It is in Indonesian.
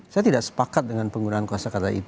saya tidak sepakat dengan penggunaan kosa kata